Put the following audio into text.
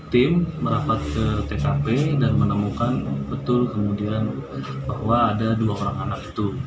tim merapat ke tkp dan menemukan betul kemudian bahwa ada dua orang anak itu